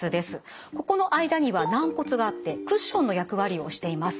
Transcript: ここの間には軟骨があってクッションの役割をしています。